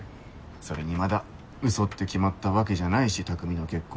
それにまだうそって決まったわけじゃないし匠の結婚。